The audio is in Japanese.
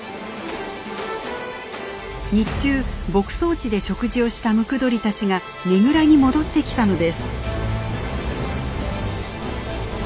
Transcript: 日中牧草地で食事をしたムクドリたちがねぐらに戻ってきたのです。